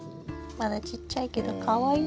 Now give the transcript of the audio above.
まだちっちゃいけどかわいい。